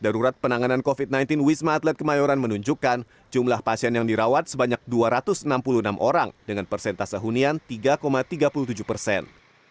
darurat penanganan covid sembilan belas wisma atlet kemayoran menunjukkan jumlah pasien yang dirawat sebanyak dua ratus enam puluh enam orang dengan persentase hunian tiga tiga puluh tujuh persen